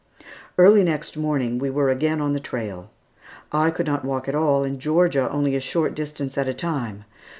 Early next morning we were again on the trail. I could not walk at all, and Georgia only a short distance at a time.